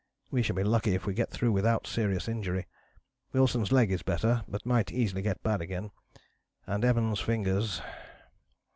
We shall be lucky if we get through without serious injury. Wilson's leg is better, but might easily get bad again, and Evans' fingers....